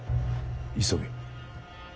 急げ。